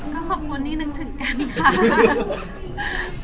ก็ขอบคุณนิดนึงถึงกันค่ะ